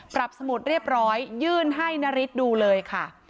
สมุดเรียบร้อยยื่นให้นาริสดูเลยค่ะ